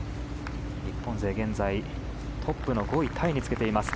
日本勢、現在トップの５位タイにつけています。